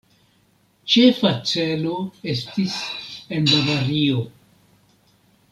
Ĉefa celo estis en Bavario.